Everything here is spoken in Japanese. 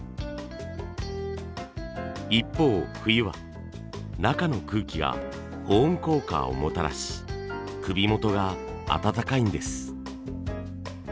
一方冬は中の空気が保温効果をもたらし首元が暖かいんです。